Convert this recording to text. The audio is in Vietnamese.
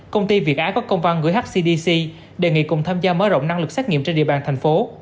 công ty việt á có công văn gửi hcdc đề nghị cùng tham gia mở rộng năng lực xét nghiệm trên địa bàn thành phố